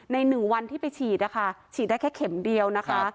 ๑วันที่ไปฉีดนะคะฉีดได้แค่เข็มเดียวนะคะ